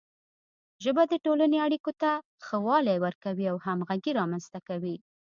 ژبه د ټولنې اړیکو ته ښه والی ورکوي او همغږي رامنځته کوي.